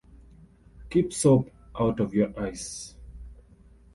Keep soap out of your eyes.